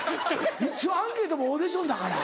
一応アンケートもオーディションだから。